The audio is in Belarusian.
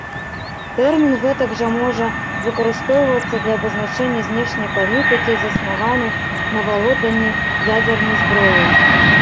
Тэрмін гэтак жа можа выкарыстоўвацца для абазначэння знешняй палітыкі заснаваны на валоданні ядзернай зброяй.